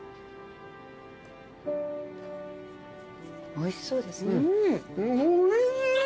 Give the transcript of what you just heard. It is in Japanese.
おいしそうですね。